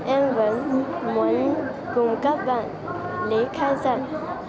em vẫn muốn cùng các bạn lấy khai giảng